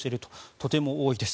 とても多いです。